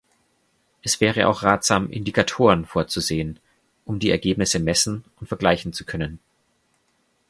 Es wäre auch ratsam, Indikatoren vorzusehen, um die Ergebnisse messen und vergleichen zu können.